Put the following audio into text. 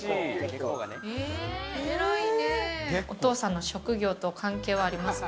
お父さんの職業と関係はありますか？